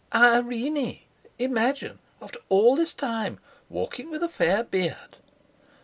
"Irene! Imagine! After all this time; walking with a fair beard...."